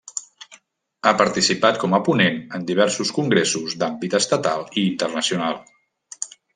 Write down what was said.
Ha participat com a ponent en diversos congressos d'àmbit estatal i internacional.